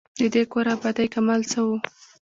د دې کور آبادۍ کمال څه وو.